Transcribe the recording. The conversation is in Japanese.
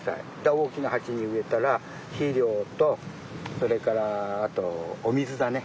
大きなはちにうえたらひりょうとそれからあとお水だね。